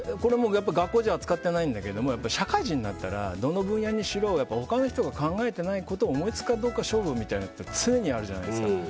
学校じゃ扱ってないんだけども社会人になったら、どの分野でも他の人が考えていないことを思いつくか勝負みたいなことが常にあるじゃないですか。